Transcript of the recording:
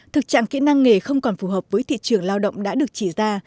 thực trạng kỹ năng nghề không còn phù hợp với thị trường lao động đã được chỉ ra